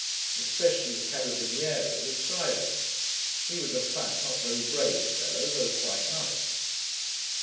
Especially the carabiniere was silent. He was a fat, not very brave fellow, though quite nice.